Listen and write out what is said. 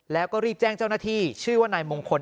แล้วก็รีบแจ้งเจ้าหน้าที่ชื่อว่านายมงคล